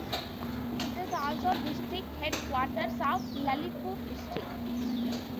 It is also district headquarters of Lalitpur district.